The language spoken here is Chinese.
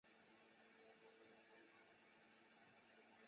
她首次在美国萤光幕亮相是在的系列剧。